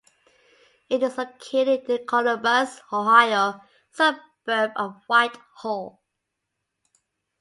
It is located in the Columbus, Ohio suburb of Whitehall.